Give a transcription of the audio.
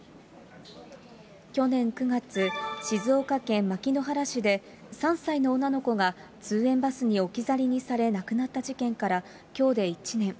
去年９月、静岡県牧之原市で、３歳の女の子が通園バスに置き去りにされ亡くなった事件からきょうで１年。